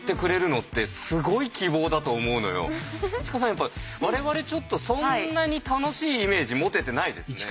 やっぱ我々ちょっとそんなに楽しいイメージ持ててないですね。